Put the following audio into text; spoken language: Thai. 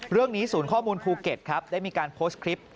เรื่องนี้ศูนย์ข้อมูลภูเก็ตครับได้มีการโพสต์คลิป